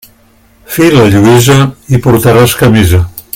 Fila, Lluïsa, i portaràs camisa.